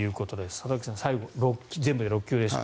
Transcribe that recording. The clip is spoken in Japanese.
里崎さん、最後全部で６球でした。